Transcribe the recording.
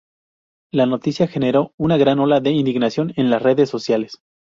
La noticia generó una gran ola de indignación en las redes sociales.